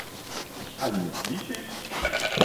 Ali me slišiš?